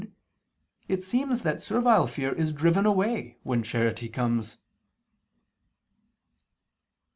Therefore it seems that servile fear is driven out when charity comes.